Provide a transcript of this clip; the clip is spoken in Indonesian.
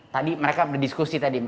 tadi mereka berdiskusi tadi